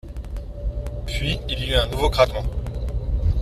Puis, il y eut un nouveau craquement.